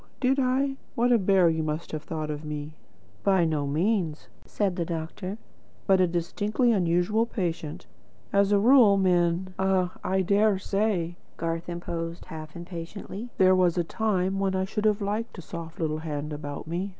Did I? What a bear you must have thought me." "By no means," said the doctor, "but a distinctly unusual patient. As a rule, men " "Ah, I dare say," Garth interposed half impatiently. "There was a time when I should have liked a soft little hand about me.